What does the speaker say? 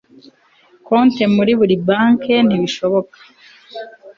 konti muri buri banke ntibishoboka